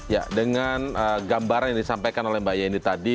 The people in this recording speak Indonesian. ya dengan gambaran yang disampaikan oleh mbak yeni tadi